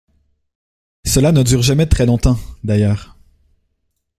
Cela ne dure jamais très longtemps, d’ailleurs.